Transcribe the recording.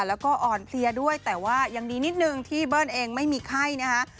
แล้วก็อ่อนเพลียด้วยแต่ว่ายังดีนิดนึงที่เบิ้ลเองไม่มีไข้นะคะ